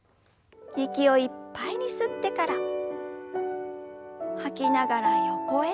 息をいっぱいに吸ってから吐きながら横へ。